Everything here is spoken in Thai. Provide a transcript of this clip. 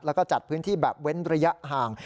แล้วก็จัดพื้นที่แบบเว้นระยะห่าง